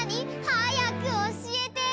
はやくおしえて！